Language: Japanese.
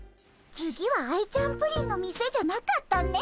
次はアイちゃんプリンの店じゃなかったね。